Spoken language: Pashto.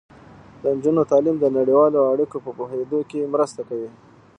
د نجونو تعلیم د نړیوالو اړیکو په پوهیدو کې مرسته کوي.